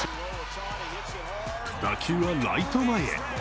打球はライト前へ。